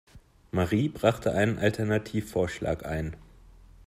Marie brachte einen Alternativvorschlag ein.